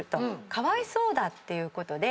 かわいそうだっていうことで